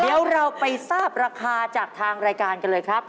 เดี๋ยวเราไปทราบราคาจากทางรายการกันเลยครับ